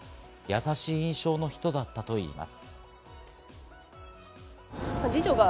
優しい印象の人だったといいます。